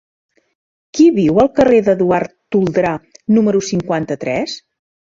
Qui viu al carrer d'Eduard Toldrà número cinquanta-tres?